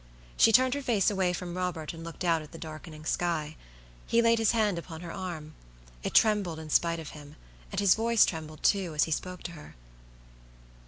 She turned her face away from Robert, and looked out at the darkening sky. He laid his hand upon her arm. It trembled in spite of him, and his voice trembled, too, as he spoke to her.